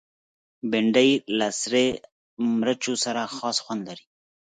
بېنډۍ له سرې مرچو سره خاص خوند لري